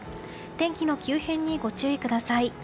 天気の急変にご注意ください。